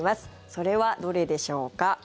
それはどれでしょうか。